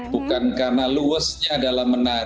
bukan karena luar biasa